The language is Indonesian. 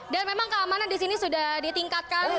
dan memang keamanan disini sudah ditingkatkan